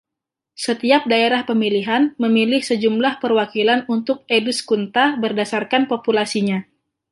Setiap daerah pemilihan memilih sejumlah perwakilan untuk Eduskunta berdasarkan populasinya.